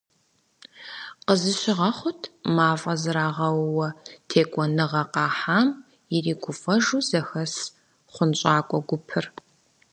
Къызыщыгъэхъут мафӀэм зрагъэууэ, текӀуэныгъэ къахьам иригуфӀэжу зэхэс хъунщӀакӀуэ гупыр.